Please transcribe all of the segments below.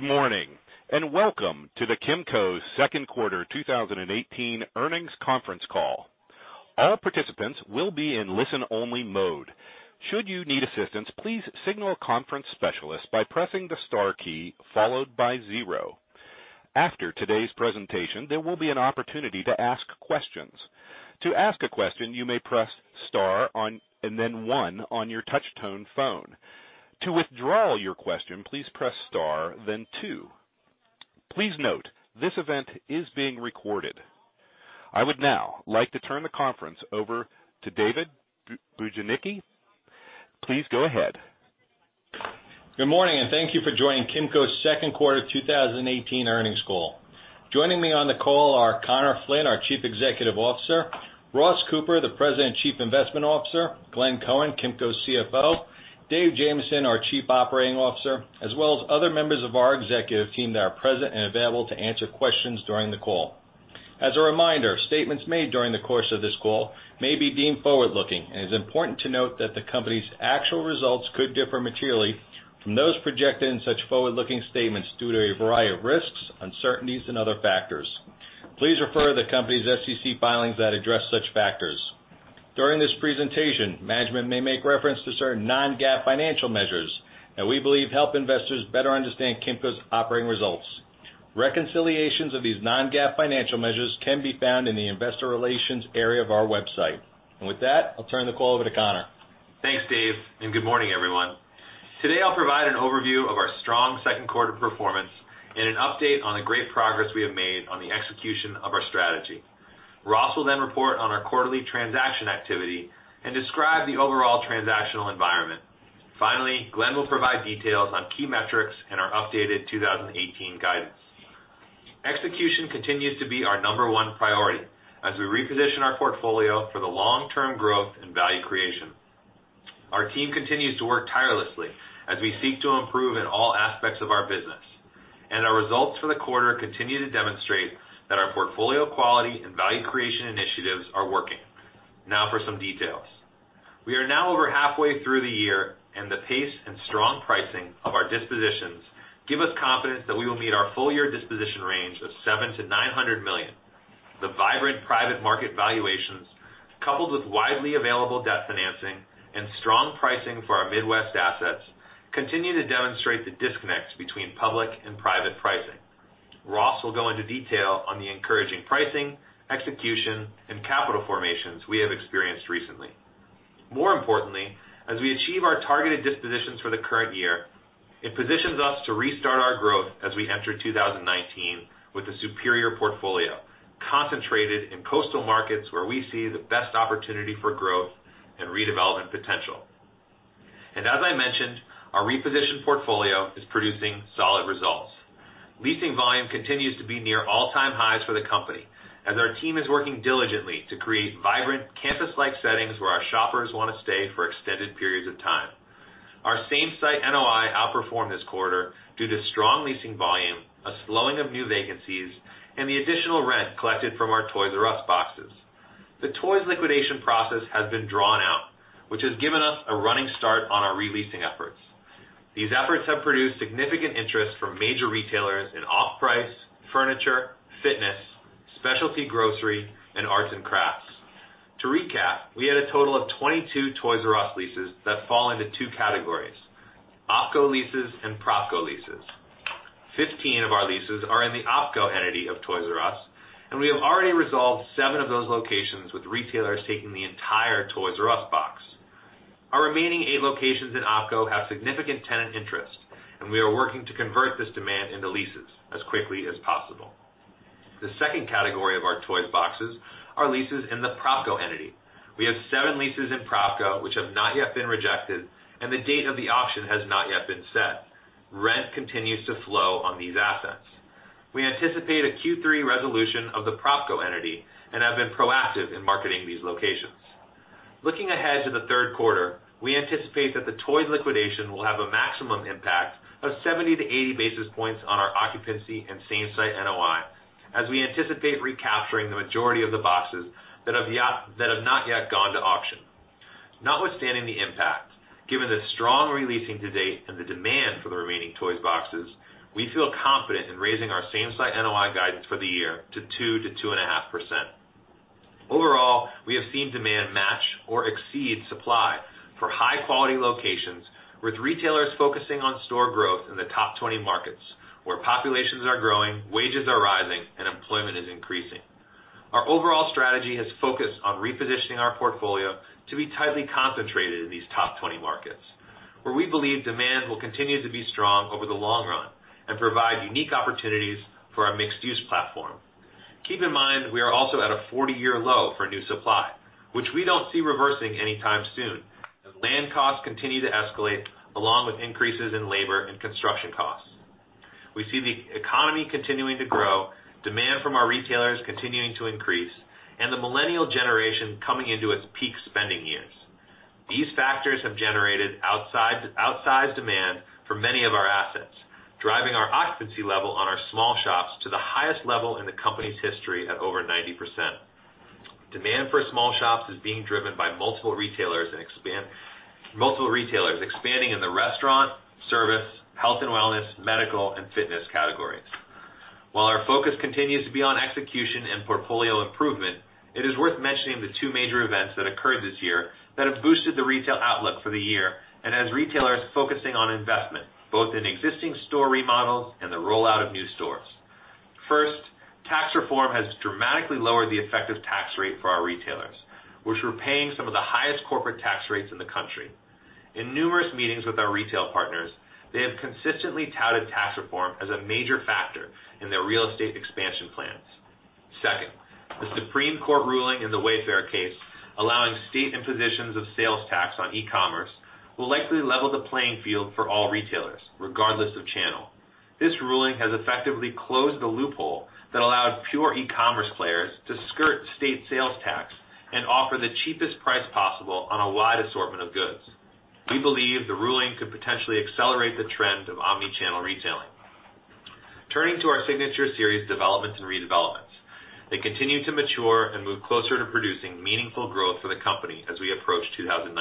Good morning, and welcome to the Kimco second quarter 2018 earnings conference call. All participants will be in listen-only mode. Should you need assistance, please signal a conference specialist by pressing the star key followed by zero. After today's presentation, there will be an opportunity to ask questions. To ask a question, you may press star and then one on your touch-tone phone. To withdraw your question, please press star, then two. Please note, this event is being recorded. I would now like to turn the conference over to David Bujnicki. Please go ahead. Good morning, and thank you for joining Kimco's second quarter 2018 earnings call. Joining me on the call are Conor Flynn, our Chief Executive Officer; Ross Cooper, the President and Chief Investment Officer; Glenn Cohen, Kimco's CFO; Dave Jamieson, our Chief Operating Officer, as well as other members of our executive team that are present and available to answer questions during the call. As a reminder, statements made during the course of this call may be deemed forward-looking, and it is important to note that the company's actual results could differ materially from those projected in such forward-looking statements due to a variety of risks, uncertainties, and other factors. Please refer to the company's SEC filings that address such factors. During this presentation, management may make reference to certain non-GAAP financial measures that we believe help investors better understand Kimco's operating results. Reconciliations of these non-GAAP financial measures can be found in the investor relations area of our website. With that, I'll turn the call over to Conor. Thanks, Dave, and good morning, everyone. Today, I'll provide an overview of our strong second quarter performance and an update on the great progress we have made on the execution of our strategy. Ross will then report on our quarterly transaction activity and describe the overall transactional environment. Finally, Glenn will provide details on key metrics and our updated 2018 guidance. Execution continues to be our number one priority as we reposition our portfolio for the long-term growth and value creation. Our team continues to work tirelessly as we seek to improve in all aspects of our business. Our results for the quarter continue to demonstrate that our portfolio quality and value creation initiatives are working. Now for some details. We are now over halfway through the year. The pace and strong pricing of our dispositions give us confidence that we will meet our full-year disposition range of $7 million-$900 million. The vibrant private market valuations, coupled with widely available debt financing and strong pricing for our Midwest assets, continue to demonstrate the disconnect between public and private pricing. Ross will go into detail on the encouraging pricing, execution, and capital formations we have experienced recently. As we achieve our targeted dispositions for the current year, it positions us to restart our growth as we enter 2019 with a superior portfolio concentrated in coastal markets where we see the best opportunity for growth and redevelopment potential. As I mentioned, our repositioned portfolio is producing solid results. Leasing volume continues to be near all-time highs for the company as our team is working diligently to create vibrant campus-like settings where our shoppers want to stay for extended periods of time. Our same-site NOI outperformed this quarter due to strong leasing volume, a slowing of new vacancies, and the additional rent collected from our Toys 'R' Us boxes. The Toys 'R' Us liquidation process has been drawn out, which has given us a running start on our re-leasing efforts. These efforts have produced significant interest from major retailers in off-price, furniture, fitness, specialty grocery, and arts and crafts. To recap, we had a total of 22 Toys 'R' Us leases that fall into two categories, OpCo leases and PropCo leases. 15 of our leases are in the OpCo entity of Toys 'R' Us, and we have already resolved seven of those locations with retailers taking the entire Toys 'R' Usbox. Our remaining eight locations in OpCo have significant tenant interest, and we are working to convert this demand into leases as quickly as possible. The second category of our Toys 'R' Us boxes are leases in the PropCo entity. We have seven leases in PropCo which have not yet been rejected, and the date of the auction has not yet been set. Rent continues to flow on these assets. We anticipate a Q3 resolution of the PropCo entity and have been proactive in marketing these locations. Looking ahead to the third quarter, we anticipate that the Toys 'R' Us liquidation will have a maximum impact of 70-80 basis points on our occupancy and same-site NOI as we anticipate recapturing the majority of the boxes that have not yet gone to auction. Notwithstanding the impact, given the strong re-leasing to date and the demand for the remaining Toys 'R' Us boxes, we feel confident in raising our same-site NOI guidance for the year to 2%-2.5%. Overall, we have seen demand match or exceed supply for high-quality locations, with retailers focusing on store growth in the top 20 markets where populations are growing, wages are rising, and employment is increasing. Our overall strategy has focused on repositioning our portfolio to be tightly concentrated in these top 20 markets, where we believe demand will continue to be strong over the long run and provide unique opportunities for our mixed-use platform. Keep in mind that we are also at a 40-year low for new supply, which we don't see reversing anytime soon as land costs continue to escalate, along with increases in labor and construction costs. We see the economy continuing to grow, demand from our retailers continuing to increase, and the millennial generation coming into its peak spending years. These factors have generated outsized demand for many of our assets, driving our occupancy level on our small shops to the highest level in the company's history at over 90%. Demand for small shops is being driven by multiple retailers expanding in the restaurant, service, health and wellness, medical, and fitness categories. While our focus continues to be on execution and portfolio improvement, it is worth mentioning the two major events that occurred this year that have boosted the retail outlook for the year and has retailers focusing on investment, both in existing store remodels and the rollout of new stores. First, tax reform has dramatically lowered the effective tax rate for our retailers, which were paying some of the highest corporate tax rates in the country. In numerous meetings with our retail partners, they have consistently touted tax reform as a major factor in their real estate expansion plans. Second, the Supreme Court ruling in the Wayfair case, allowing state impositions of sales tax on e-commerce, will likely level the playing field for all retailers, regardless of channel. This ruling has effectively closed the loophole that allowed pure e-commerce players to skirt state sales tax and offer the cheapest price possible on a wide assortment of goods. We believe the ruling could potentially accelerate the trend of omni-channel retailing. Turning to our Signature Series developments and redevelopments. They continue to mature and move closer to producing meaningful growth for the company as we approach 2019.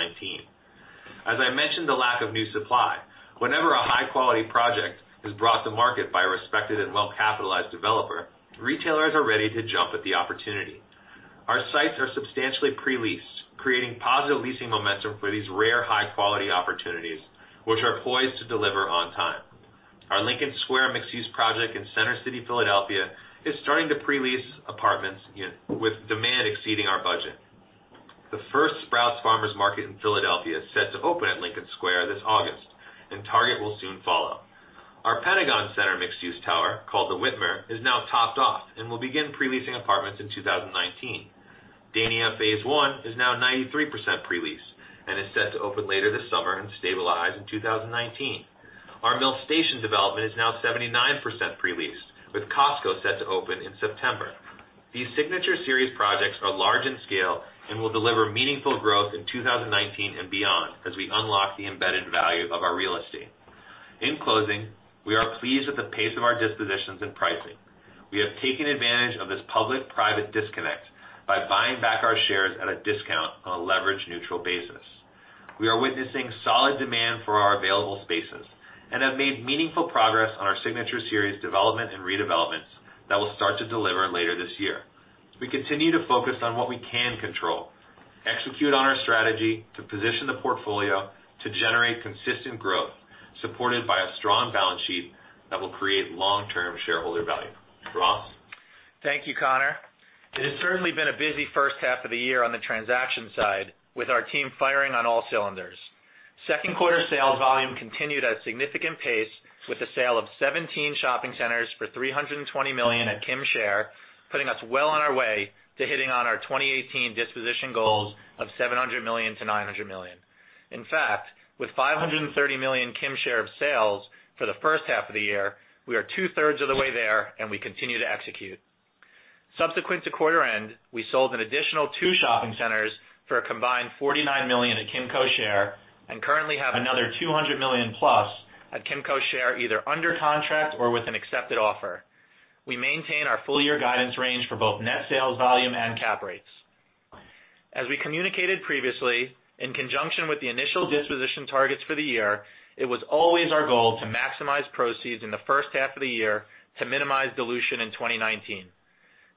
As I mentioned, the lack of new supply. Whenever a high-quality project is brought to market by a respected and well-capitalized developer, retailers are ready to jump at the opportunity. Our sites are substantially pre-leased, creating positive leasing momentum for these rare high-quality opportunities, which are poised to deliver on time. Our Lincoln Square mixed-use project in Center City, Philadelphia, is starting to pre-lease apartments with demand exceeding our budget. The first Sprouts Farmers Market in Philadelphia is set to open at Lincoln Square this August, and Target will soon follow. Our Pentagon Centre mixed-use tower, called The Witmer, is now topped off and will begin pre-leasing apartments in 2019. Dania Phase I is now 93% pre-leased and is set to open later this summer and stabilize in 2019. Our Mill Station development is now 79% pre-leased, with Costco set to open in September. These Signature Series projects are large in scale and will deliver meaningful growth in 2019 and beyond as we unlock the embedded value of our real estate. In closing, we are pleased with the pace of our dispositions and pricing. We have taken advantage of this public-private disconnect by buying back our shares at a discount on a leverage-neutral basis. We are witnessing solid demand for our available spaces and have made meaningful progress on our Signature Series development and redevelopments that will start to deliver later this year. We continue to focus on what we can control, execute on our strategy to position the portfolio to generate consistent growth, supported by a strong balance sheet that will create long-term shareholder value. Ross? Thank you, Conor. It has certainly been a busy first half of the year on the transaction side, with our team firing on all cylinders. Second quarter sales volume continued at a significant pace with the sale of 17 shopping centers for $320 million at Kim share, putting us well on our way to hitting on our 2018 disposition goals of $700 million-$900 million. In fact, with $530 million Kim share of sales for the first half of the year, we are two-thirds of the way there, and we continue to execute. Subsequent to quarter end, we sold an additional two shopping centers for a combined $49 million at Kimco share and currently have another $200 million plus at Kimco share, either under contract or with an accepted offer. We maintain our full-year guidance range for both net sales volume and cap rates. As we communicated previously, in conjunction with the initial disposition targets for the year, it was always our goal to maximize proceeds in the first half of the year to minimize dilution in 2019.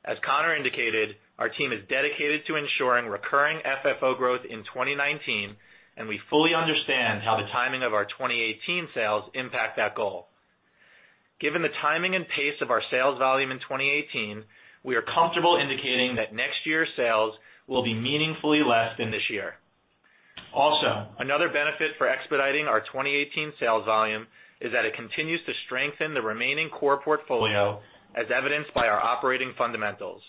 As Conor indicated, our team is dedicated to ensuring recurring FFO growth in 2019, and we fully understand how the timing of our 2018 sales impact that goal. Given the timing and pace of our sales volume in 2018, we are comfortable indicating that next year's sales will be meaningfully less than this year. Also, another benefit for expediting our 2018 sales volume is that it continues to strengthen the remaining core portfolio as evidenced by our operating fundamentals.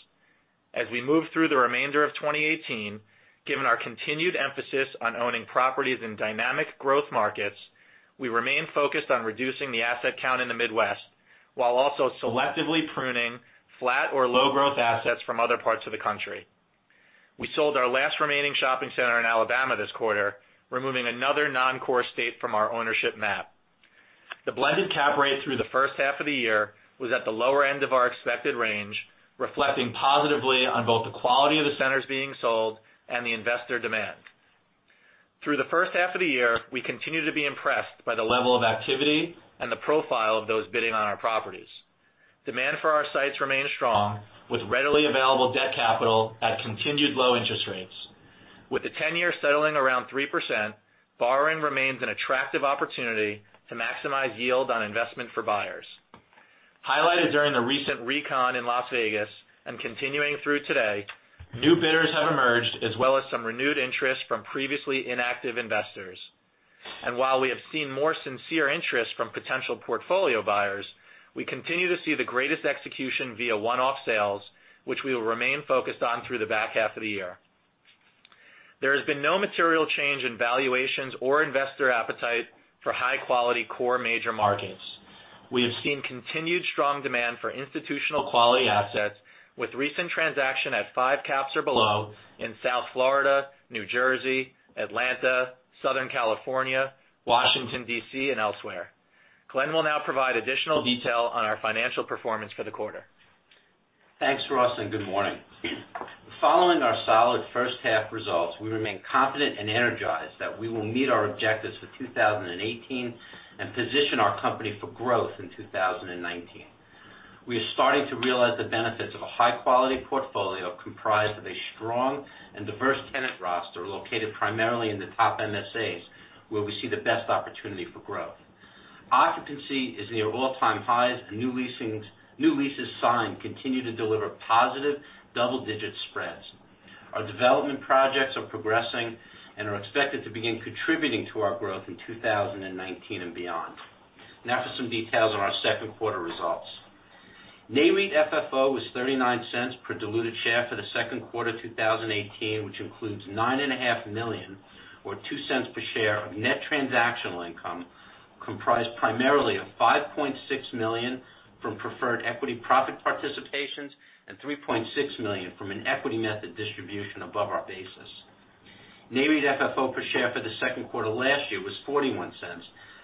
As we move through the remainder of 2018, given our continued emphasis on owning properties in dynamic growth markets, we remain focused on reducing the asset count in the Midwest, while also selectively pruning flat or low-growth assets from other parts of the country. We sold our last remaining shopping center in Alabama this quarter, removing another non-core state from our ownership map. The blended cap rate through the first half of the year was at the lower end of our expected range, reflecting positively on both the quality of the centers being sold and the investor demand. Through the first half of the year, we continue to be impressed by the level of activity and the profile of those bidding on our properties. Demand for our sites remains strong, with readily available debt capital at continued low interest rates. With the 10-year settling around 3%, borrowing remains an attractive opportunity to maximize yield on investment for buyers. Highlighted during the recent RECon in Las Vegas and continuing through today, new bidders have emerged, as well as some renewed interest from previously inactive investors. While we have seen more sincere interest from potential portfolio buyers, we continue to see the greatest execution via one-off sales, which we will remain focused on through the back half of the year. There has been no material change in valuations or investor appetite for high-quality core major markets. We have seen continued strong demand for institutional quality assets with recent transaction at five caps or below in South Florida, New Jersey, Atlanta, Southern California, Washington, D.C., and elsewhere. Glenn will now provide additional detail on our financial performance for the quarter. Thanks, Ross, and good morning. Following our solid first half results, we remain confident and energized that we will meet our objectives for 2018 and position our company for growth in 2019. We are starting to realize the benefits of a high-quality portfolio comprised of a strong and diverse tenant roster located primarily in the top MSAs, where we see the best opportunity for growth. Occupancy is near all-time highs, and new leases signed continue to deliver positive double-digit spreads. Our development projects are progressing and are expected to begin contributing to our growth in 2019 and beyond. Now for some details on our second quarter results. NAREIT FFO was $0.39 per diluted share for the second quarter 2018, which includes $9.5 million, or $0.02 per share, of net transactional income, comprised primarily of $5.6 million from preferred equity profit participations and $3.6 million from an equity method distribution above our basis. NAREIT FFO per share for the second quarter last year was $0.41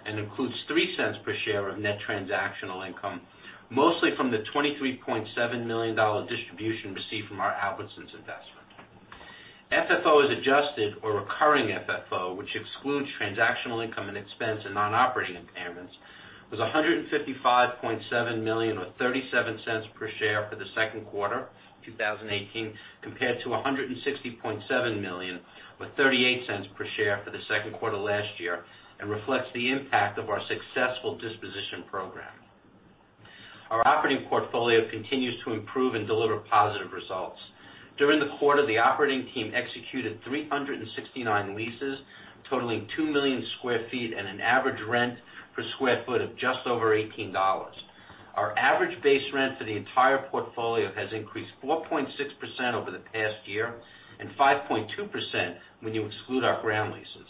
and includes $0.03 per share of net transactional income, mostly from the $23.7 million distribution received from our Albertsons investment. FFO as adjusted or recurring FFO, which excludes transactional income and expense and non-operating impairments, was $155.7 million or $0.37 per share for the second quarter 2018, compared to $160.7 million or $0.38 per share for the second quarter last year and reflects the impact of our successful disposition program. Our operating portfolio continues to improve and deliver positive results. During the quarter, the operating team executed 369 leases totaling 2 million square feet and an average rent per square foot of just over $18. Our average base rent for the entire portfolio has increased 4.6% over the past year and 5.2% when you exclude our ground leases.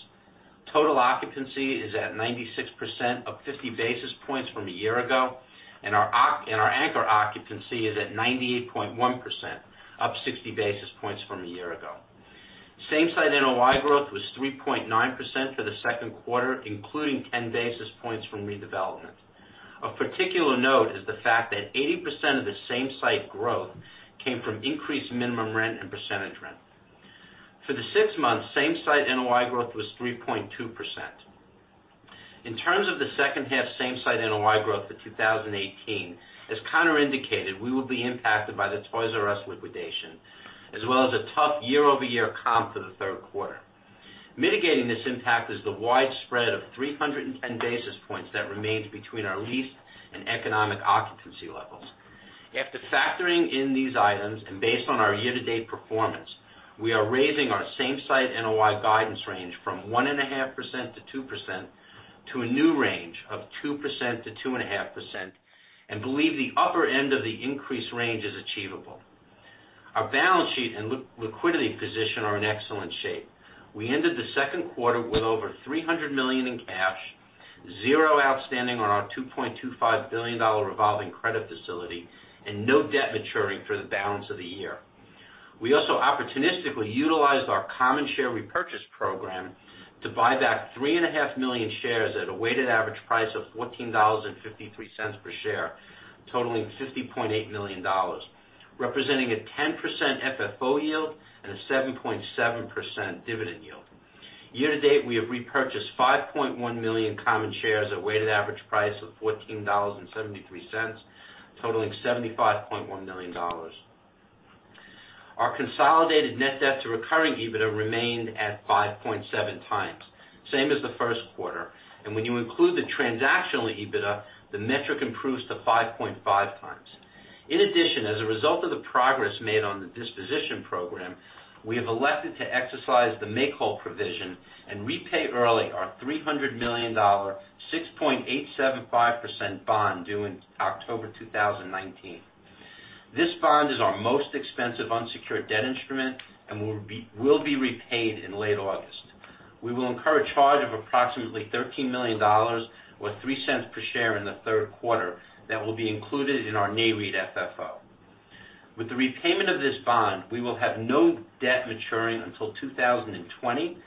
Total occupancy is at 96%, up 50 basis points from a year ago, and our anchor occupancy is at 98.1%, up 60 basis points from a year ago. Same-site NOI growth was 3.9% for the second quarter, including 10 basis points from redevelopment. Of particular note is the fact that 80% of the same-site growth came from increased minimum rent and percentage rent. For the six months, same-site NOI growth was 3.2%. In terms of the second half same-site NOI growth for 2018, as Conor indicated, we will be impacted by the Toys Us liquidation as well as a tough year-over-year comp for the third quarter. Mitigating this impact is the wide spread of 310 basis points that remains between our leased and economic occupancy levels. After factoring in these items and based on our year-to-date performance, we are raising our same-site NOI guidance range from 1.5%-2% to a new range of 2%-2.5% and believe the upper end of the increased range is achievable. Our balance sheet and liquidity position are in excellent shape. We ended the second quarter with over $300 million in cash, zero outstanding on our $2.25 billion revolving credit facility, and no debt maturing for the balance of the year. We also opportunistically utilized our common share repurchase program to buy back 3.5 million shares at a weighted average price of $14.53 per share, totaling $50.8 million, representing a 10% FFO yield and a 7.7% dividend yield. Year to date, we have repurchased 5.1 million common shares at a weighted average price of $14.73, totaling $75.1 million. Our consolidated net debt to recurring EBITDA remained at 5.7 times, same as the first quarter. When you include the transactional EBITDA, the metric improves to 5.5 times. In addition, as a result of the progress made on the disposition program, we have elected to exercise the make-whole provision and repay early our $300 million 6.875% bond due in October 2019. This bond is our most expensive unsecured debt instrument and will be repaid in late August. We will incur a charge of approximately $13 million or $0.03 per share in the third quarter that will be included in our NAREIT FFO. With the repayment of this bond, we will have no debt maturing until 2020,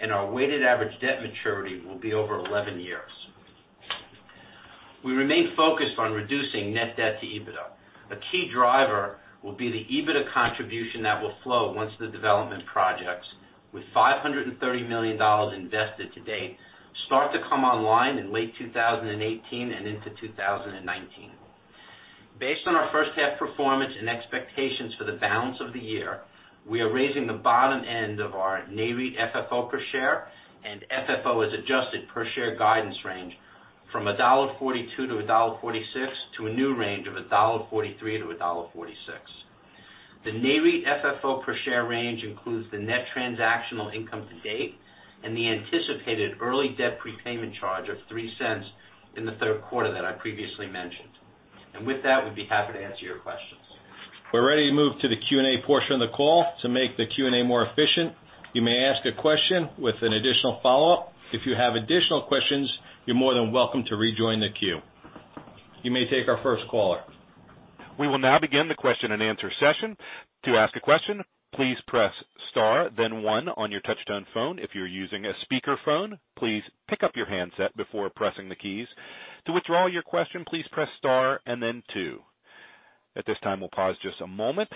and our weighted average debt maturity will be over 11 years. We remain focused on reducing net debt to EBITDA. A key driver will be the EBITDA contribution that will flow once the development projects, with $530 million invested to date, start to come online in late 2018 and into 2019. Based on our first-half performance and expectations for the balance of the year, we are raising the bottom end of our NAREIT FFO per share and FFO as adjusted per share guidance range from $1.42-$1.46 to a new range of $1.43-$1.46. The NAREIT FFO per share range includes the net transactional income to date and the anticipated early debt prepayment charge of $0.03 in the third quarter that I previously mentioned. With that, we'd be happy to answer your questions. We're ready to move to the Q&A portion of the call. To make the Q&A more efficient, you may ask a question with an additional follow-up. If you have additional questions, you're more than welcome to rejoin the queue. You may take our first caller. We will now begin the question-and-answer session. To ask a question, please press star Then 1 on your touchtone phone. If you're using a speakerphone, please pick up your handset before pressing the keys. To withdraw your question, please press star and then 2. At this time, we'll pause just a moment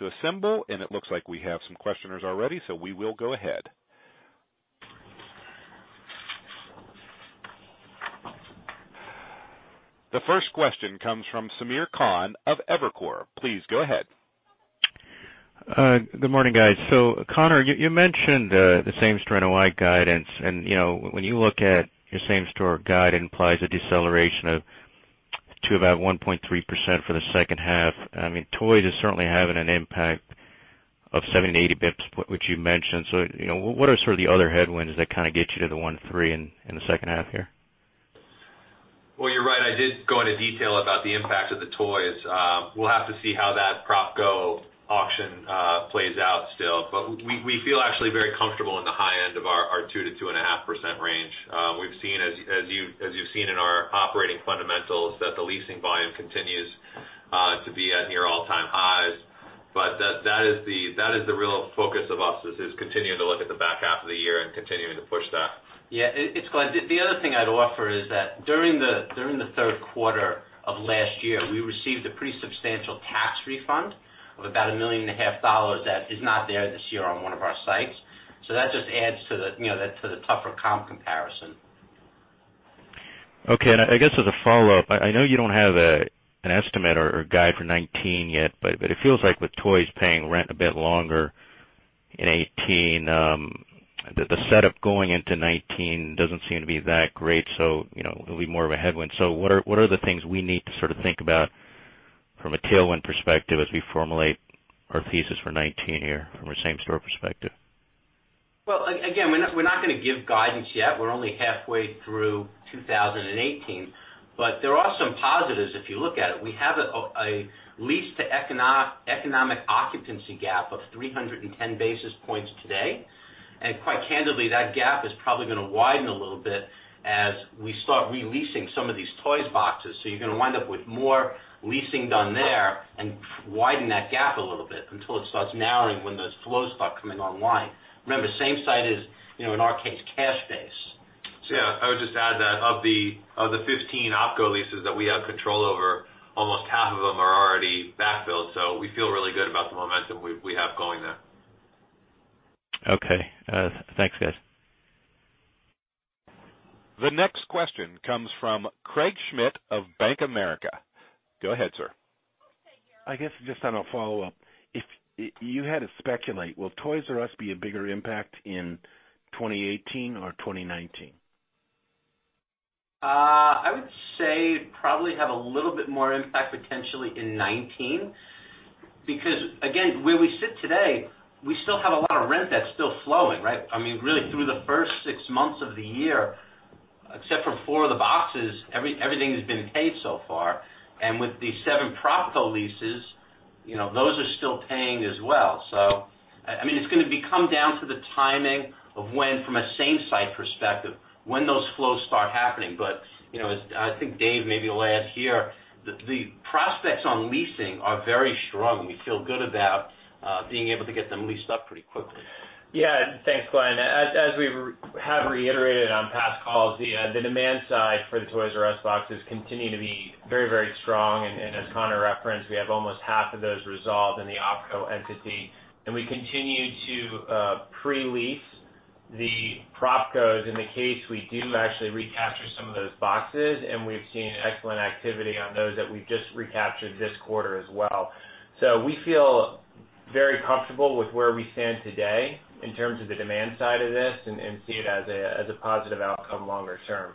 to assemble, and it looks like we have some questioners already, so we will go ahead. The first question comes from Samir Khanal of Evercore. Please go ahead. Good morning, guys. Conor, you mentioned the same-store NOI guidance, when you look at your same-store guide, it implies a deceleration of to about 1.3% for the second half. Toys is certainly having an impact of 70 to 80 basis points, which you mentioned. What are sort of the other headwinds that kind of get you to the 1.3% in the second half here? Well, you're right. I did go into detail about the impact of the toys. We'll have to see how that PropCo auction plays out still. We feel actually very comfortable in the high end of our 2% to 2.5% range. We've seen, as you've seen in our operating fundamentals, that the leasing volume continues to be at near all-time highs. That is the real focus of us, is continuing to look at the back half of the year and continuing to push that. Yeah, it's Glenn. The other thing I'd offer is that during the third quarter of last year, we received a pretty substantial tax refund of about a million and a half dollars that is not there this year on one of our sites. That just adds to the tougher comp comparison. Okay. I guess as a follow-up, I know you don't have an estimate or guide for 2019 yet, it feels like with Toys paying rent a bit longer in 2018, the setup going into 2019 doesn't seem to be that great. It'll be more of a headwind. What are the things we need to sort of think about from a tailwind perspective as we formulate our thesis for 2019 here from a same-store perspective? Well, again, we're not going to give guidance yet. We're only halfway through 2018. There are some positives if you look at it. We have a lease to economic occupancy gap of 310 basis points today. Quite candidly, that gap is probably going to widen a little bit as we start re-leasing some of these Toys boxes. You're going to wind up with more leasing done there and widen that gap a little bit until it starts narrowing when those flows start coming online. Remember, same-site is, in our case, cash base. Yeah, I would just add that of the 15 OpCo leases that we have control over, almost half of them are already backfilled. We feel really good about the momentum we have going there. Okay. Thanks, guys. The next question comes from Craig Schmidt of Bank of America. Go ahead, sir. I guess just on a follow-up, if you had to speculate, will Toys R Us be a bigger impact in 2018 or 2019? I would say probably have a little bit more impact potentially in 2019. Again, where we sit today, we still have a lot of rent that's still flowing, right? Really through the first six months of the year, except for four of the boxes, everything has been paid so far. With the seven PropCo leases, those are still paying as well. It's going to come down to the timing of when, from a same-site perspective, when those flows start happening. I think Dave maybe will add here, the prospects on leasing are very strong, and we feel good about being able to get them leased up pretty quickly. Thanks, Glenn. As we have reiterated on past calls, the demand side for the Toys Us boxes continue to be very strong. As Conor referenced, we have almost half of those resolved in the OpCo entity, we continue to pre-lease the PropCos in the case we do actually recapture some of those boxes, and we've seen excellent activity on those that we've just recaptured this quarter as well. We feel very comfortable with where we stand today in terms of the demand side of this and see it as a positive outcome longer term.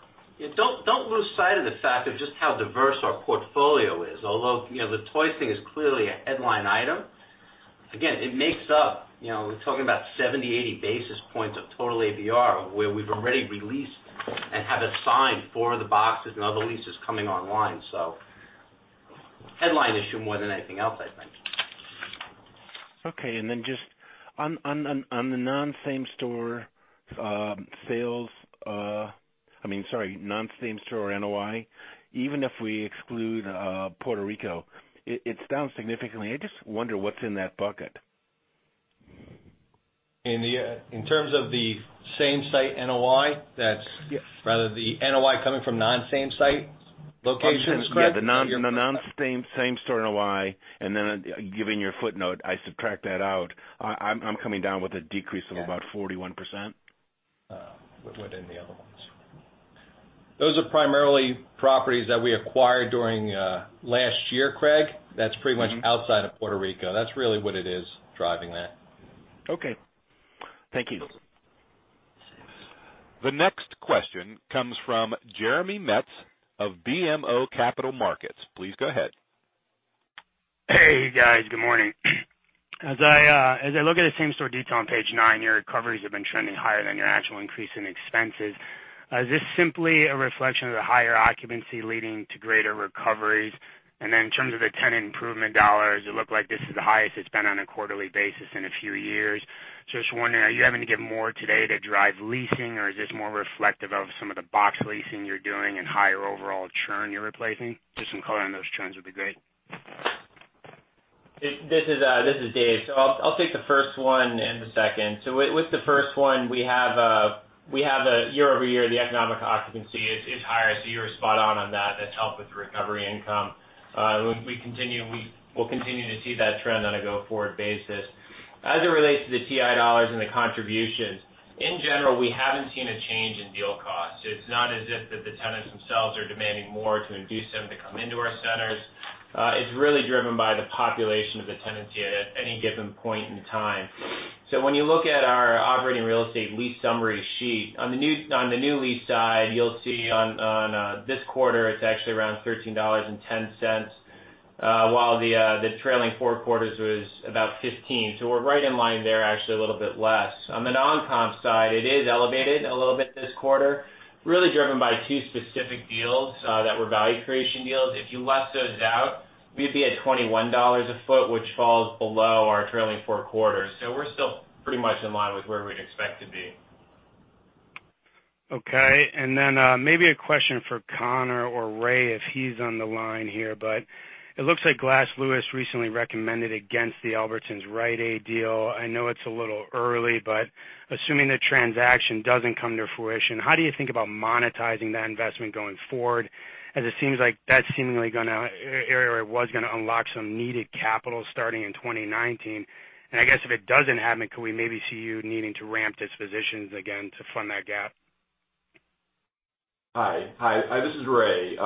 Don't lose sight of the fact of just how diverse our portfolio is. Although the toy thing is clearly a headline item. Again, it makes up, we're talking about 70, 80 basis points of total ABR, where we've already released and have assigned four of the boxes and other leases coming online. Headline issue more than anything else, I think. Just on the non-same store sales I mean, sorry, non-same store NOI, even if we exclude Puerto Rico, it's down significantly. I just wonder what's in that bucket. In terms of the same site NOI? That's- Yes. Rather the NOI coming from non-same site locations, Craig? Yeah. The non-same store NOI. Given your footnote, I subtract that out. I'm coming down with a decrease of about 41% within the other ones. Those are primarily properties that we acquired during last year, Craig. That's pretty much outside of Puerto Rico. That's really what it is driving that. Okay. Thank you. The next question comes from Jeremy Metz of BMO Capital Markets. Please go ahead. Hey, guys. Good morning. As I look at the same store detail on page nine, your recoveries have been trending higher than your actual increase in expenses. Is this simply a reflection of the higher occupancy leading to greater recoveries? Then in terms of the tenant improvement dollars, it looked like this is the highest it's been on a quarterly basis in a few years. Just wondering, are you having to give more today to drive leasing, or is this more reflective of some of the box leasing you're doing and higher overall churn you're replacing? Just some color on those trends would be great. This is Dave. I'll take the first one and the second. With the first one, we have a year-over-year, the economic occupancy is higher. You're spot on that. That's helped with the recovery income. We'll continue to see that trend on a go-forward basis. As it relates to the TI dollars and the contributions, in general, we haven't seen a change in deal costs. It's not as if that the tenants themselves are demanding more to induce them to come into our centers. It's really driven by the population of the tenancy at any given point in time. When you look at our operating real estate lease summary sheet, on the new lease side, you'll see on this quarter, it's actually around $13.10, while the trailing four quarters was about 15. We're right in line there, actually a little bit less. On the non-comp side, it is elevated a little bit this quarter, really driven by two specific deals that were value creation deals. If you left those out, we'd be at $21 a foot, which falls below our trailing four quarters. We're still pretty much in line with where we'd expect to be. Maybe a question for Conor or Ray, if he's on the line here. It looks like Glass, Lewis & Co. recently recommended against the Albertsons Rite Aid deal. I know it's a little early, but assuming the transaction doesn't come to fruition, how do you think about monetizing that investment going forward? As it seems like that seemingly or was going to unlock some needed capital starting in 2019. I guess if it doesn't happen, could we maybe see you needing to ramp dispositions again to fund that gap? Hi, this is Ray.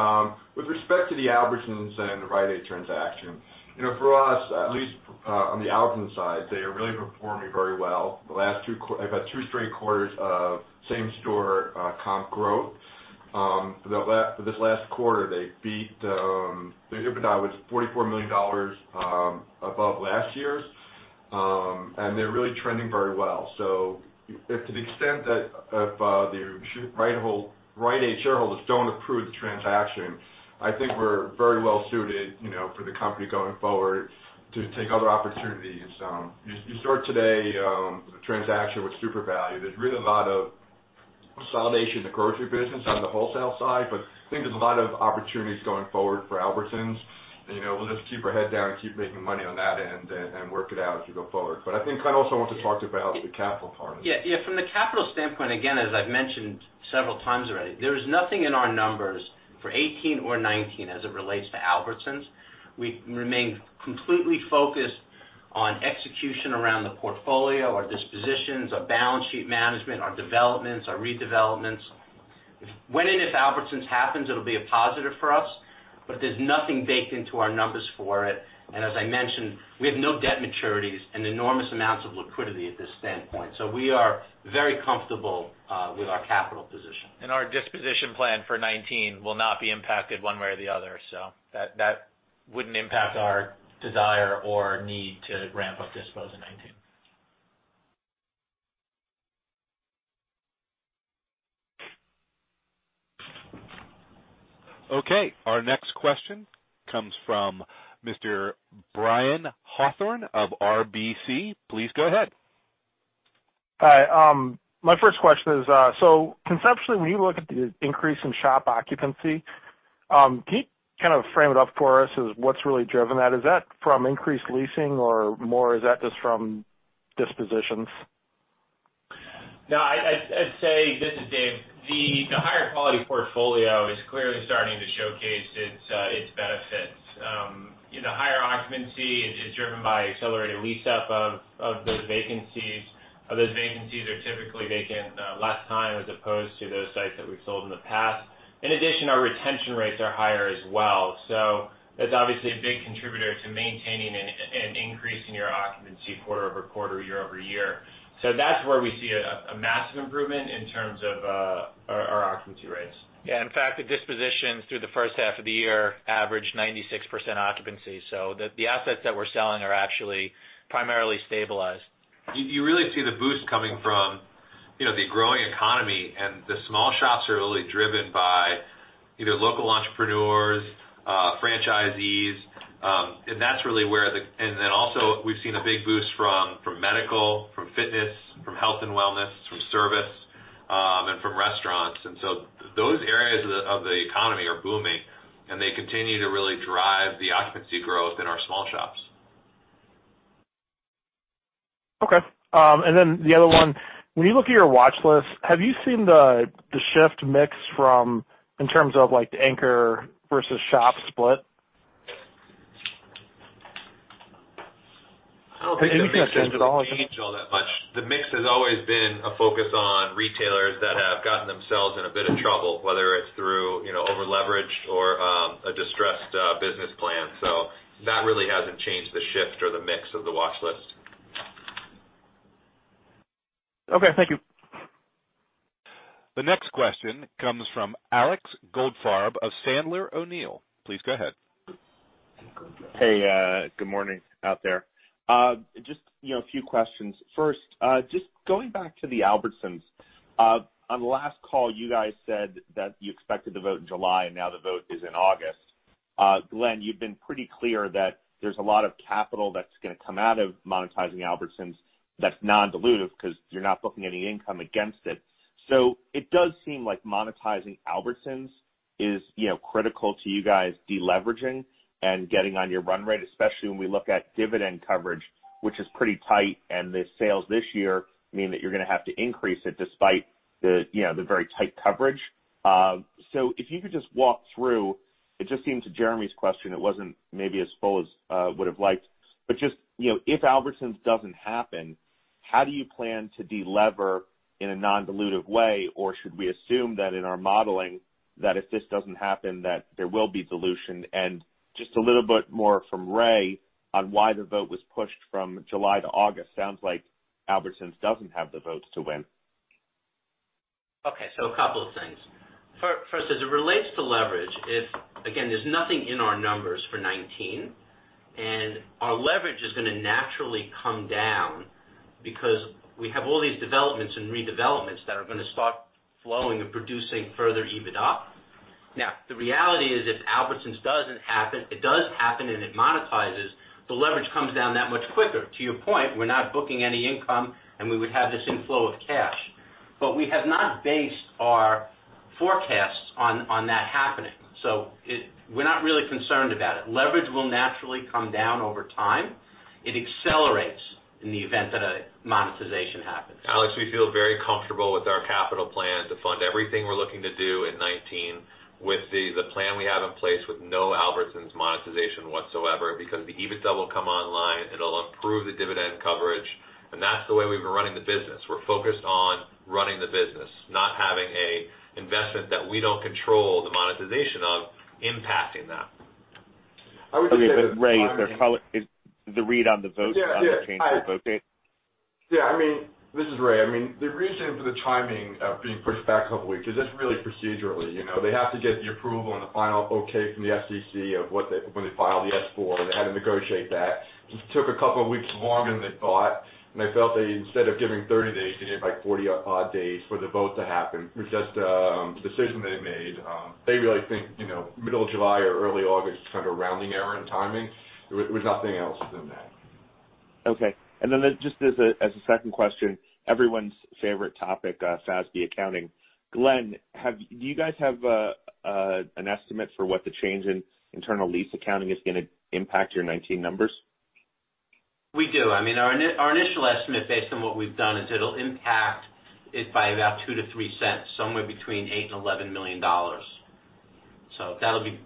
With respect to the Albertsons and the Rite Aid transaction, for us, at least on the Albertsons side, they are really performing very well. They've had three straight quarters of same store comp growth. For this last quarter, their EBITDA was $44 million above last year's. They're really trending very well. If to the extent that if the Rite Aid shareholders don't approve the transaction, I think we're very well-suited for the company going forward to take other opportunities. You start today a transaction with SuperValu. There's really a lot of consolidation in the grocery business on the wholesale side, I think there's a lot of opportunities going forward for Albertsons. We'll just keep our head down and keep making money on that end and work it out as we go forward. I think Glenn also wants to talk about the capital part. From the capital standpoint, again, as I've mentioned several times already, there is nothing in our numbers for 2018 or 2019 as it relates to Albertsons. We remain completely focused on execution around the portfolio, our dispositions, our balance sheet management, our developments, our redevelopments. When and if Albertsons happens, it'll be a positive for us, but there's nothing baked into our numbers for it, and as I mentioned, we have no debt maturities and enormous amounts of liquidity at this standpoint. We are very comfortable with our capital position. Our disposition plan for 2019 will not be impacted one way or the other. That wouldn't impact our desire or need to ramp up dispo's in 2019. Okay. Our next question comes from Mr. Brian Hawthorne of RBC. Please go ahead. Hi. My first question is, conceptually, when you look at the increase in shop occupancy, can you kind of frame it up for us as what's really driven that? Is that from increased leasing or more, is that just from dispositions? I'd say, this is Dave. The higher quality portfolio is clearly starting to showcase its benefits. The higher occupancy is driven by accelerated lease up of those vacancies. Those vacancies are typically vacant less time as opposed to those sites that we've sold in the past. In addition, our retention rates are higher as well. That's obviously a big contributor to maintaining and increasing your occupancy quarter-over-quarter, year-over-year. That's where we see a massive improvement in terms of our occupancy rates. Yeah. In fact, the dispositions through the first half of the year average 96% occupancy. The assets that we're selling are actually primarily stabilized. You really see the boost coming from the growing economy, the small shops are really driven by either local entrepreneurs, franchisees, also we've seen a big boost from medical, from fitness, from health and wellness, from service, and from restaurants. Those areas of the economy are booming, and they continue to really drive the occupancy growth in our small shops. Okay. The other one, when you look at your watch list, have you seen the shift mix from, in terms of the anchor versus shop split? I don't think it's changed all that much. The mix has always been a focus on retailers that have gotten themselves in a bit of trouble, whether it's through over-leverage or a distressed business plan. That really hasn't changed the shift or the mix of the watch list. Okay, thank you. The next question comes from Alex Goldfarb of Sandler O'Neill. Please go ahead. Hey, good morning out there. Just a few questions. First, just going back to the Albertsons. On the last call, you guys said that you expected to vote in July and now the vote is in August. Glenn, you've been pretty clear that there's a lot of capital that's going to come out of monetizing Albertsons that's non-dilutive because you're not booking any income against it. It does seem like monetizing Albertsons is critical to you guys deleveraging and getting on your run rate, especially when we look at dividend coverage, which is pretty tight, and the sales this year mean that you're going to have to increase it despite the very tight coverage. If you could just walk through, it just seemed to Jeremy's question, it wasn't maybe as full as would've liked, but just, if Albertsons doesn't happen, how do you plan to de-lever in a non-dilutive way? Or should we assume that in our modeling, that if this doesn't happen, that there will be dilution? And just a little bit more from Ray on why the vote was pushed from July to August. Sounds like Albertsons doesn't have the votes to win. Okay, a couple of things. First, as it relates to leverage, there's nothing in our numbers for 2019, and our leverage is going to naturally come down because we have all these developments and redevelopments that are going to start flowing and producing further EBITDA. Now, the reality is, if Albertsons doesn't happen, it does happen and it monetizes, the leverage comes down that much quicker. To your point, we're not booking any income and we would have this inflow of cash. We have not based our forecasts on that happening. We're not really concerned about it. Leverage will naturally come down over time. It accelerates in the event that a monetization happens. Alex, we feel very comfortable with our capital plan to fund everything we're looking to do in 2019 with the plan we have in place with no Albertsons monetization whatsoever, because the EBITDA will come online, it'll improve the dividend coverage. That's the way we've been running the business. We're focused on running the business, not having an investment that we don't control the monetization of impacting that. I would just say that Ray, is the read on the vote- Yeah. on the change of the vote date? Yeah, this is Ray. The reason for the timing of being pushed back a couple weeks is just really procedurally. They have to get the approval and the final okay from the SEC of when they file the S-4. They had to negotiate that. Just took a couple of weeks longer than they thought, and they felt that instead of giving 30 days, they gave like 40 odd days for the vote to happen. It was just a decision they made. They really think, middle of July or early August is kind of a rounding error in timing. There was nothing else other than that. Okay. Just as a second question, everyone's favorite topic, FASB accounting. Glenn, do you guys have an estimate for what the change in internal lease accounting is gonna impact your 2019 numbers? We do. Our initial estimate based on what we've done, is it'll impact it by about $0.02 to $0.03, somewhere between $8 million and $11 million.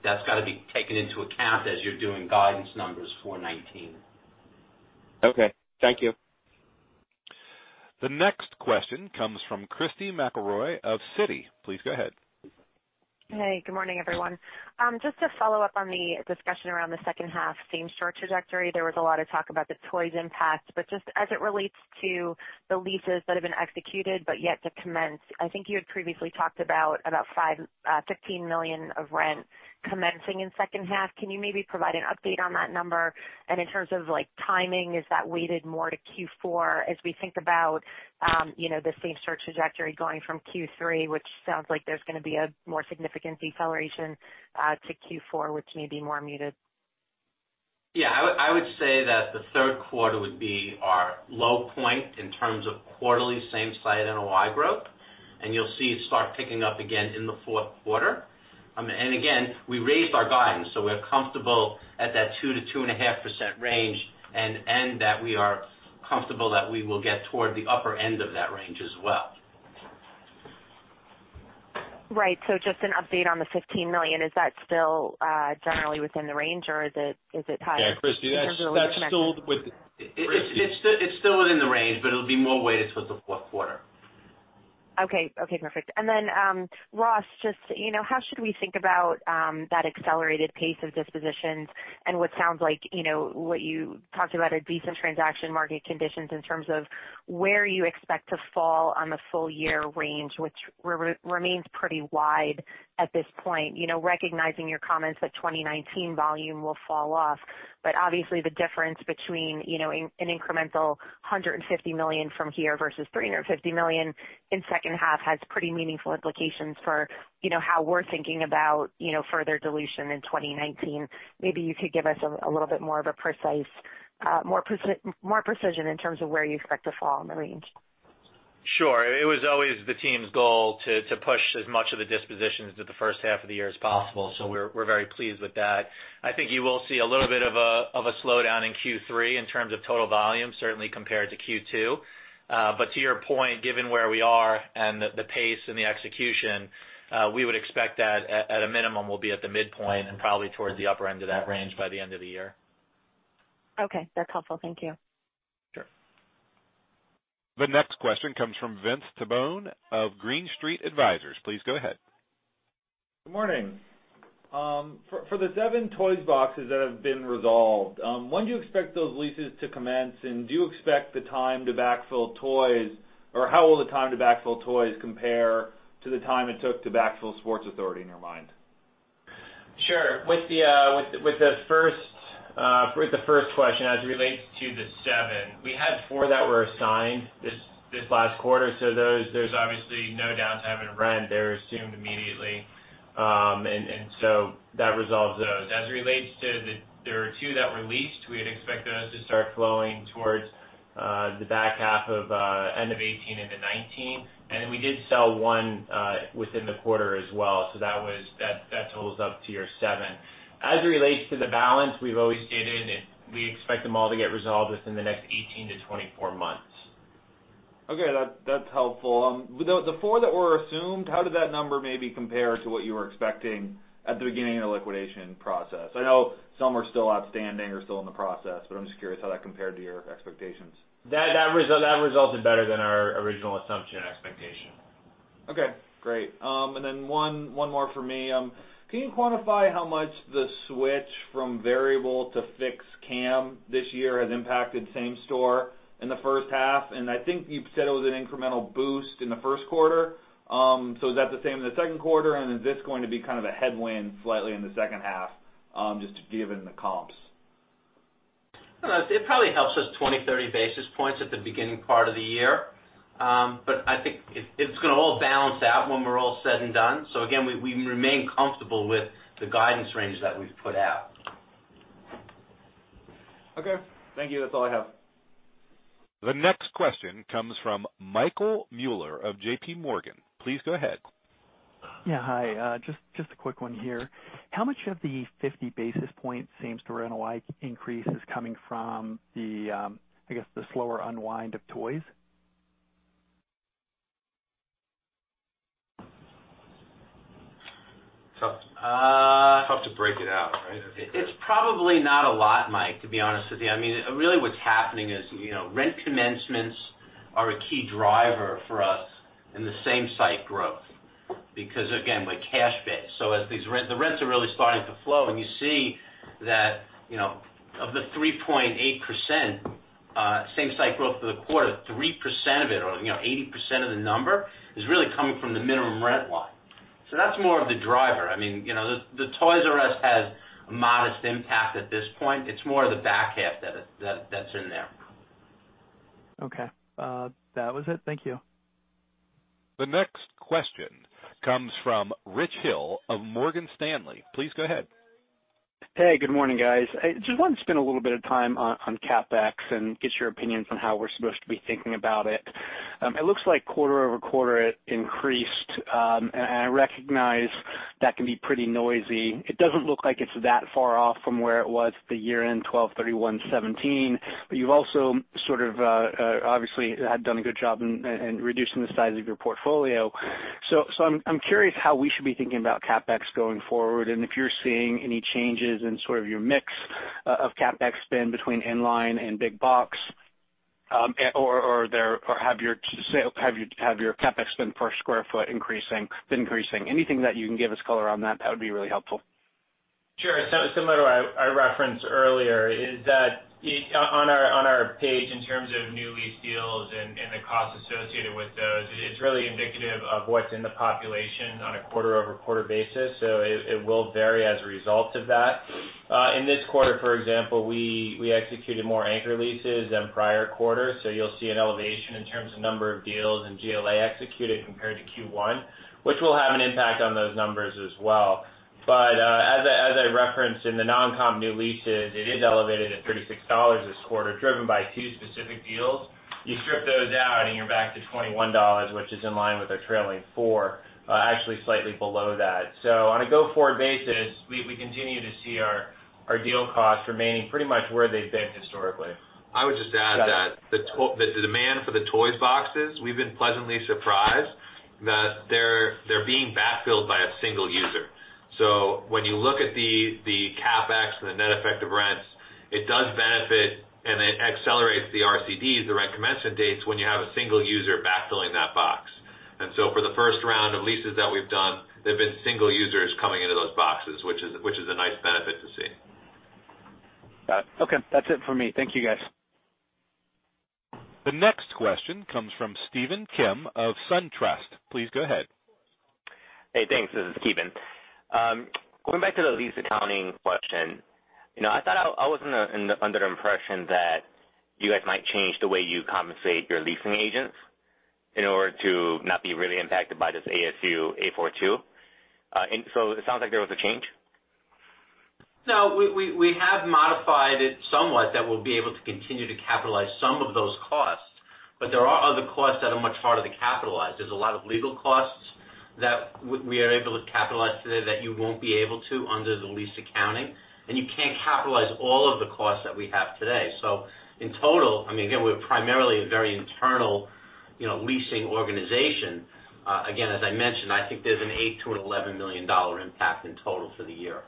That's got to be taken into account as you're doing guidance numbers for 2019. Okay. Thank you. The next question comes from Christy McElroy of Citi. Please go ahead. Hey, good morning, everyone. Just to follow up on the discussion around the second half same-store trajectory, there was a lot of talk about the Toys impact, but just as it relates to the leases that have been executed but yet to commence, I think you had previously talked about $15 million of rent commencing in second half. Can you maybe provide an update on that number? In terms of timing, is that weighted more to Q4 as we think about the same-store trajectory going from Q3, which sounds like there's going to be a more significant deceleration, to Q4, which may be more muted? Yeah, I would say that the third quarter would be our low point in terms of quarterly same site NOI growth. You'll see it start picking up again in the fourth quarter. Again, we raised our guidance, so we're comfortable at that 2%-2.5% range and that we are comfortable that we will get toward the upper end of that range as well. Right. Just an update on the $15 million. Is that still generally within the range, or is it higher? Yeah, Christy, that's still with. It's still in the range, but it'll be more weighted towards the fourth quarter. Okay. Perfect. Then, Ross, just how should we think about that accelerated pace of dispositions and what sounds like what you talked about, a decent transaction market conditions in terms of where you expect to fall on the full year range, which remains pretty wide at this point. Recognizing your comments that 2019 volume will fall off, but obviously the difference between an incremental $150 million from here versus $350 million in second half has pretty meaningful implications for how we're thinking about further dilution in 2019. Maybe you could give us a little bit more precision in terms of where you expect to fall in the range. Sure. It was always the team's goal to push as much of the dispositions into the first half of the year as possible. We're very pleased with that. I think you will see a little bit of a slowdown in Q3 in terms of total volume, certainly compared to Q2. To your point, given where we are and the pace and the execution, we would expect that at a minimum, we'll be at the midpoint and probably towards the upper end of that range by the end of the year. Okay. That's helpful. Thank you. Sure. The next question comes from Vince Tibone of Green Street Advisors. Please go ahead. Good morning. For the seven Toys boxes that have been resolved, when do you expect those leases to commence? Or how will the time to backfill Toys compare to the time it took to backfill Sports Authority in your mind? Sure. With the first question as it relates to the seven, we had four that were assigned this last quarter, so there's obviously no doubt rent, they're assumed immediately. That resolves those. As it relates to the, there were two that were leased. We had expected those to start flowing towards the back half of 2018 into 2019, and then we did sell one within the quarter as well. That totals up to your seven. As it relates to the balance, we've always stated it, we expect them all to get resolved within the next 18 to 24 months. Okay. That's helpful. The four that were assumed, how did that number maybe compare to what you were expecting at the beginning of the liquidation process? I know some are still outstanding or still in the process. I'm just curious how that compared to your expectations. That resulted better than our original assumption and expectation. Okay, great. Then one more from me. Can you quantify how much the switch from variable to fixed CAM this year has impacted same store in the first half? I think you've said it was an incremental boost in the first quarter. Is that the same in the second quarter? Is this going to be kind of a headwind slightly in the second half, just given the comps? It probably helps us 20, 30 basis points at the beginning part of the year. I think it's gonna all balance out when we're all said and done. Again, we remain comfortable with the guidance range that we've put out. Okay. Thank you. That's all I have. The next question comes from Michael Mueller of JP Morgan. Please go ahead. Yeah. Hi, just a quick one here. How much of the 50 basis point same store NOI increase is coming from the, I guess, the slower unwind of Toys? It's tough. It's tough to break it out, right? It's probably not a lot, Mike, to be honest with you. Really what's happening is rent commencements are a key driver for us in the same site growth because, again, we're cash-based. As the rents are really starting to flow and you see that of the 3.8% same site growth for the quarter, 3% of it or 80% of the number is really coming from the minimum rent line. That's more of the driver. The Toys "R" Us has a modest impact at this point. It's more the back half that's in there. Okay. That was it. Thank you. The next question comes from Richard Hill of Morgan Stanley. Please go ahead. Hey, good morning, guys. I just wanted to spend a little bit of time on CapEx and get your opinions on how we're supposed to be thinking about it. It looks like quarter-over-quarter it increased. I recognize that can be pretty noisy. It doesn't look like it's that far off from where it was at the year-end 12/31/2017, but you've also sort of, obviously, had done a good job in reducing the size of your portfolio. I'm curious how we should be thinking about CapEx going forward, and if you're seeing any changes in sort of your mix of CapEx spend between inline and big box, or have your CapEx spend per square foot increasing? Anything that you can give us color on that would be really helpful. Sure. Similar to what I referenced earlier, is that on our page in terms of new lease deals and the costs associated with those, it's really indicative of what's in the population on a quarter-over-quarter basis. It will vary as a result of that. In this quarter, for example, we executed more anchor leases than prior quarters, so you'll see an elevation in terms of number of deals and GLA executed compared to Q1, which will have an impact on those numbers as well. As I referenced in the non-comp new leases, it is elevated at $36 this quarter, driven by two specific deals. You strip those out and you're back to $21, which is in line with our trailing four. Actually, slightly below that. On a go-forward basis, we continue to see our deal costs remaining pretty much where they've been historically. I would just add that the demand for the Toys boxes, we've been pleasantly surprised that they're being backfilled by a single user. When you look at the CapEx and the net effect of rents, it does benefit and it accelerates the RCDs, the rent commencement dates, when you have a single user backfilling that box. For the first round of leases that we've done, they've been single users coming into those boxes, which is a nice benefit to see. Got it. Okay. That's it for me. Thank you, guys. The next question comes from Ki Bin Kim of SunTrust. Please go ahead. Hey, thanks. This is Ki Bin. Going back to the lease accounting question. I thought I was under the impression that you guys might change the way you compensate your leasing agents in order to not be really impacted by this ASU 842. It sounds like there was a change? No, we have modified it somewhat that we'll be able to continue to capitalize some of those costs, there are other costs that are much harder to capitalize. There's a lot of legal costs that we are able to capitalize today that you won't be able to under the lease accounting, and you can't capitalize all of the costs that we have today. In total, again, we're primarily a very internal leasing organization. Again, as I mentioned, I think there's an $8 million-$11 million impact in total for the year.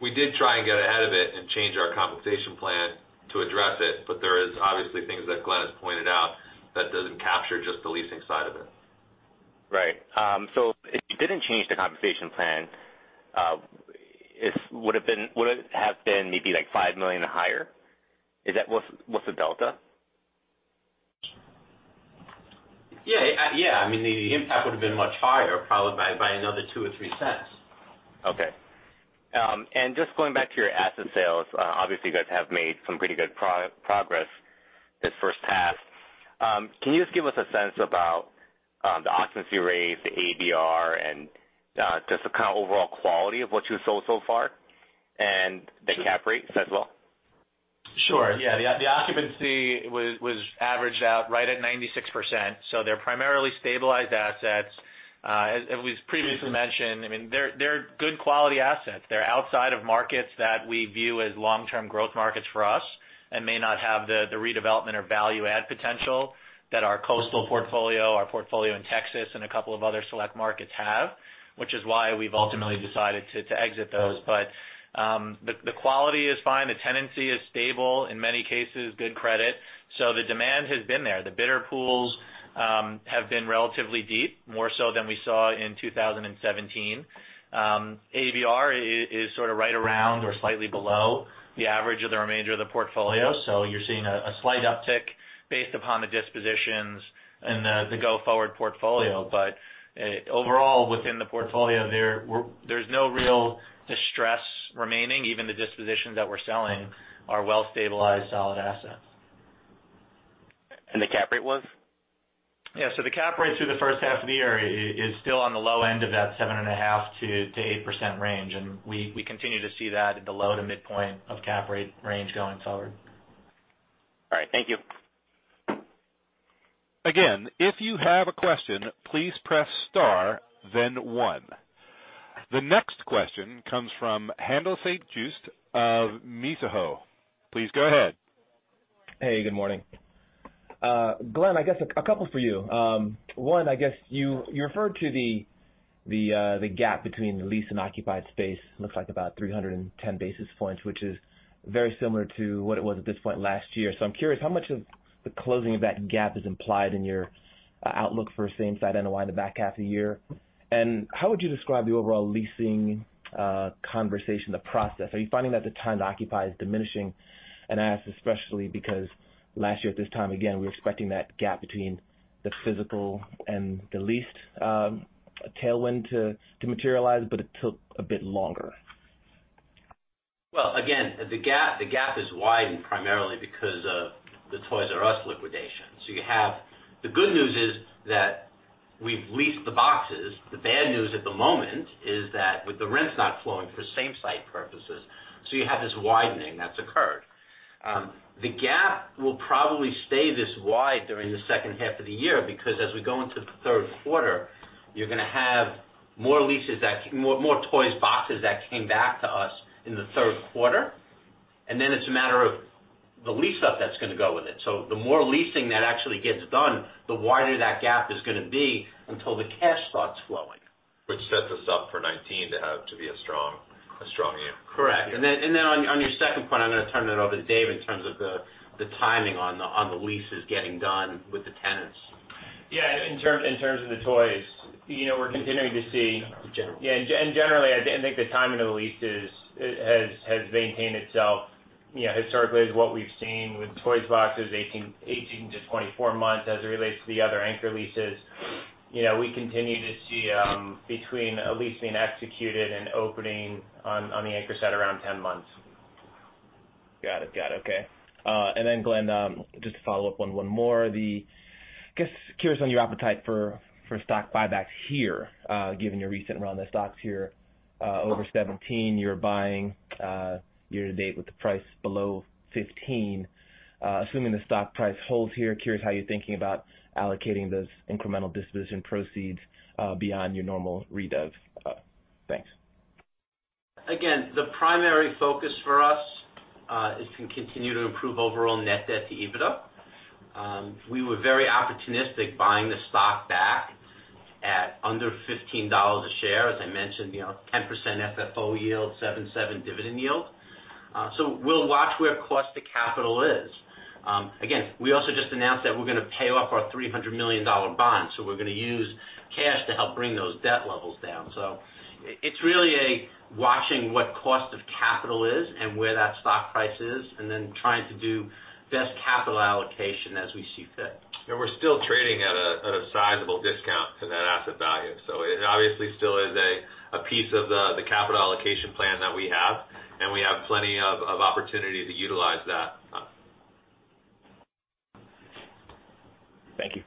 We did try and get ahead of it and change our compensation plan to address it, there is obviously things that Glenn has pointed out that doesn't capture just the leasing side of it. Right. If you didn't change the compensation plan, would it have been maybe like $5 million or higher? What's the delta? Yeah. The impact would've been much higher, probably by another Just going back to your asset sales, obviously you guys have made some pretty good progress this first half. Can you just give us a sense about the occupancy rates, the ABR, and just the kind of overall quality of what you've sold so far, and the cap rates as well? Sure. Yeah. The occupancy was averaged out right at 96%, they're primarily stabilized assets. As we've previously mentioned, they're good quality assets. They're outside of markets that we view as long-term growth markets for us and may not have the redevelopment or value-add potential that our coastal portfolio, our portfolio in Texas, and a couple of other select markets have, which is why we've ultimately decided to exit those. The quality is fine. The tenancy is stable, in many cases, good credit. The demand has been there. The bidder pools have been relatively deep, more so than we saw in 2017. ABR is sort of right around or slightly below the average of the remainder of the portfolio. You're seeing a slight uptick based upon the dispositions in the go-forward portfolio. Overall, within the portfolio, there's no real distress remaining. Even the dispositions that we're selling are well-stabilized, solid assets. The cap rate was? Yeah. The cap rate through the first half of the year is still on the low end of that 7.5%-8% range, and we continue to see that at the low- to midpoint of cap rate range going forward. All right. Thank you. Again, if you have a question, please press star, then one. The next question comes from Haendel St. Juste of Mizuho. Please go ahead. Hey, good morning. Glenn, I guess a couple for you. One, I guess you referred to the gap between the leased and occupied space, looks like about 310 basis points, which is very similar to what it was at this point last year. I'm curious how much of the closing of that gap is implied in your outlook for same-site NOI in the back half of the year? How would you describe the overall leasing conversation, the process? Are you finding that the time to occupy is diminishing? I ask especially because last year at this time, again, we were expecting that gap between the physical and the leased tailwind to materialize, but it took a bit longer. Well, again, the gap has widened primarily because of the Toys Us liquidation. The good news is that we've leased the boxes. The bad news at the moment is that with the rents not flowing for same-site purposes, you have this widening that's occurred. The gap will probably stay this wide during the second half of the year because as we go into the third quarter, you're going to have more leases, more Toys Us boxes that came back to us in the third quarter, and then it's a matter of the lease-up that's going to go with it. The more leasing that actually gets done, the wider that gap is going to be until the cash starts flowing. Which sets us up for 2019 to be a strong year. Correct. On your second point, I'm going to turn it over to Dave in terms of the timing on the leases getting done with the tenants. Yeah. In terms of the Toys, we're continuing to see. Generally. Yeah. Generally, I think the timing of the leases has maintained itself historically as what we've seen with Toys boxes, 18-24 months as it relates to the other anchor leases. We continue to see between a lease being executed and opening on the anchor set around 10 months. Got it. Okay. Glenn, just to follow up on one more, just curious on your appetite for stock buybacks here, given your recent run. The stock's here over 17. You're buying year-to-date with the price below 15. Assuming the stock price holds here, curious how you're thinking about allocating those incremental disposition proceeds beyond your normal redev. Thanks. The primary focus for us is to continue to improve overall net debt to EBITDA. We were very opportunistic buying the stock back at under $15 a share. As I mentioned, 10% FFO yield, 7% dividend yield. We'll watch where cost to capital is. We also just announced that we're going to pay off our $300 million bond. We're going to use cash to help bring those debt levels down. It's really a watching what cost of capital is and where that stock price is, and then trying to do best capital allocation as we see fit. We're still trading at a sizable discount to that asset value. It obviously still is a piece of the capital allocation plan that we have, and we have plenty of opportunity to utilize that. Thank you.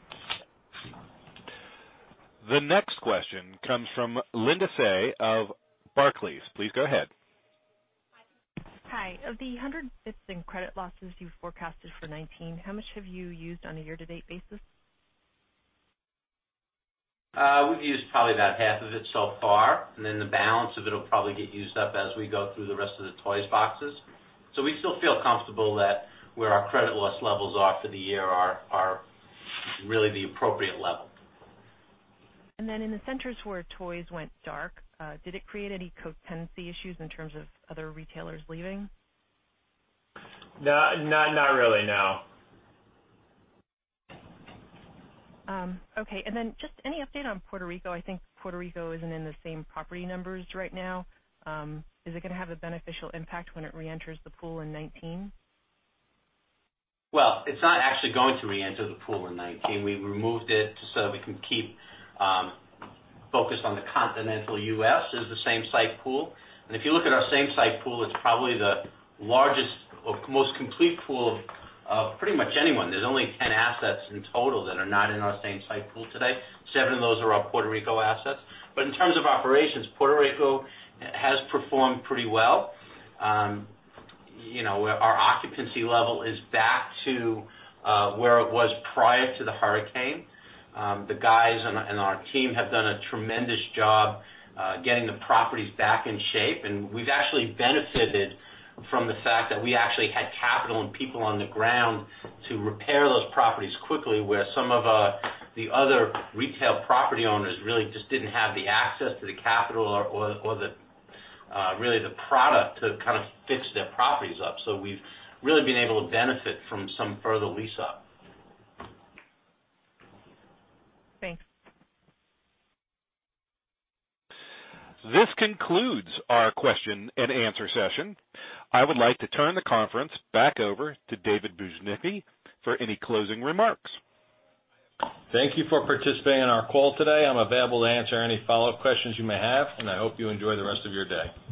The next question comes from Linda Tsai of Barclays. Please go ahead. Hi. Of the 100 basis points in credit losses you forecasted for 2019, how much have you used on a year-to-date basis? We've used probably about half of it so far, the balance of it'll probably get used up as we go through the rest of the Toys Us boxes. We still feel comfortable that where our credit loss levels are for the year are really the appropriate level. In the centers where Toys Us went dark, did it create any co-tenancy issues in terms of other retailers leaving? Not really, no. Then just any update on Puerto Rico? I think Puerto Rico isn't in the same property numbers right now. Is it going to have a beneficial impact when it reenters the pool in 2019? Well, it's not actually going to reenter the pool in 2019. We removed it so that we can keep focused on the continental U.S. as the same-site pool. If you look at our same-site pool, it's probably the largest or most complete pool of pretty much anyone. There are only 10 assets in total that are not in our same-site pool today. Seven of those are our Puerto Rico assets. In terms of operations, Puerto Rico has performed pretty well. Our occupancy level is back to where it was prior to the hurricane. The guys and our team have done a tremendous job getting the properties back in shape. We've actually benefited from the fact that we actually had capital and people on the ground to repair those properties quickly, where some of the other retail property owners really just didn't have the access to the capital or really the product to kind of fix their properties up. We've really been able to benefit from some further lease-up. Thanks. This concludes our question and answer session. I would like to turn the conference back over to David Bujnicki for any closing remarks. Thank you for participating in our call today. I'm available to answer any follow-up questions you may have, and I hope you enjoy the rest of your day.